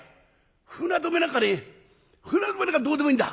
船留めなんかね船留めなんかどうでもいいんだ。